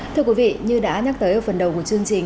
thưa quý vị như đã nhắc tới ở phần đầu của chương trình